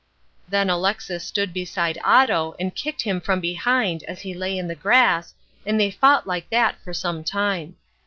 Then Alexis stood beside Otto and kicked him from behind as he lay in the grass, and they fought like that for some time.